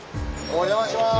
お邪魔します。